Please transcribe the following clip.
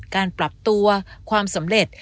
การปรับตัวความสำเร็จ